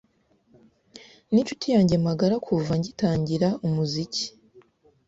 ni inshuti yanjye magara kuva ngitangira umuziki